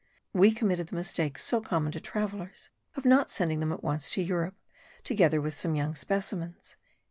We committed the mistake so common to travellers, of not sending them at once to Europe, together with some young specimens.)